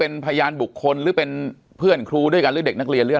เป็นพยานบุคคลหรือเป็นเพื่อนครูด้วยกันหรือเด็กนักเรียนหรือ